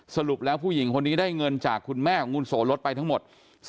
สรุปแล้วผู้หญิงคนนี้ได้เงินจากคุณแม่ของคุณโสรสไปทั้งหมด